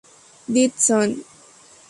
Dead Zone